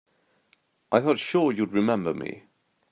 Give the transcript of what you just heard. I thought sure you'd remember me.